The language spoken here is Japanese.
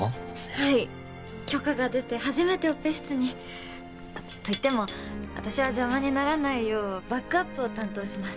はい許可が出て初めてオペ室にといっても私は邪魔にならないようバックアップを担当します